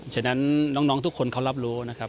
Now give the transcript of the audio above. ฉะนั้นน้องทุกคนเขารับรู้นะครับ